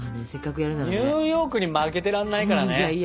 ニューヨークに負けてらんないからね。